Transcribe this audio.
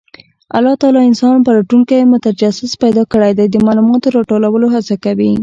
الله تعالی انسان پلټونکی او متجسس پیدا کړی دی، د معلوماتو راټولولو هڅه کوي.